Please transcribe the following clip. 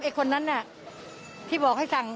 คนนั้นน่ะที่บอกให้สั่ง